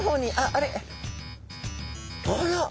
あれ？